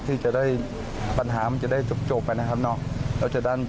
ที่จะได้ปัญหาจะได้จบจบไปนะครับแล้วจะด้าน